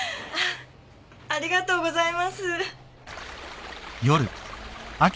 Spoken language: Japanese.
ありがとうございます。